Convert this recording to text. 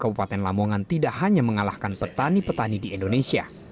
kabupaten lamongan tidak hanya mengalahkan petani petani di indonesia